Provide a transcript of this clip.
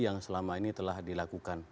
yang selama ini telah dilakukan